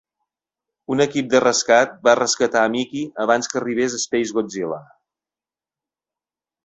Un equip de rescat va rescatar a Miki abans que arribés SpaceGodzilla.